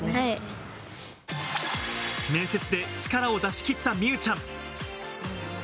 面接で力を出し切った美羽ちゃん。